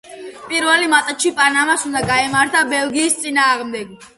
პირველი მატჩი პანამას უნდა გაემართა ბელგიის წინააღმდეგ.